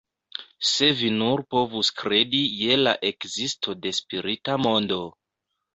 Se vi nur povus kredi je la ekzisto de spirita mondo!